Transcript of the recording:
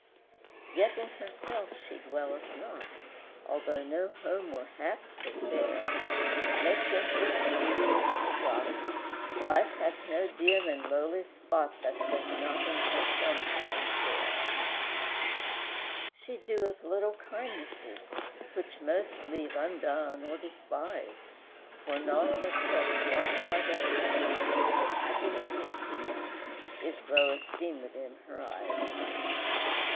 III. Yet in herself she dwelleth not, Although no home were half so fair; No simplest duty is forgot, Life hath no dim and lowly spot That doth not in her sunshine share. IV. She doeth little kindnesses, Which most leave undone, or despise; For naught that sets one heart at ease, And giveth happiness or peace, Is low esteemèd in her eyes. V.